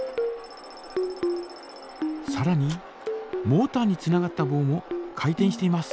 さらにモータにつながったぼうも回転しています。